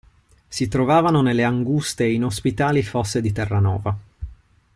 Si trovavano nelle anguste e inospitali fosse di Terranova.